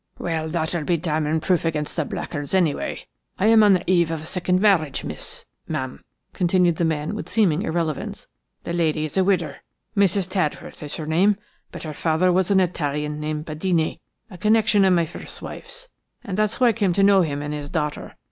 "Well, that'll be damning proof against the blackguards, anyway. I am on the eve of a second marriage, miss–ma'am," continued the man with seeming irrelevance. "The lady is a widow. Mrs. Tadworth is her name–but her father was an Italian named Badeni, a connection of my first wife's, and that's how I came to know him and his daughter.